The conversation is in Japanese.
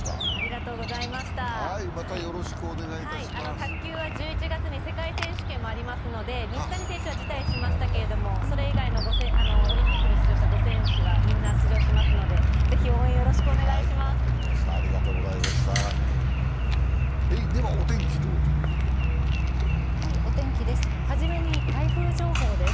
卓球は１１月に世界選手権もありますので水谷選手は辞退しましたけれどもそれ以外のオリンピックに出場した５選手はみんな出場しますので、ぜひ応援よろしくお願いします。